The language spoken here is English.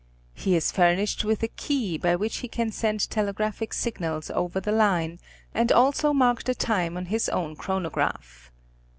He is fur nished with a key by which he can send telegraphic signals over the lime and also mark the time on his own chronograph.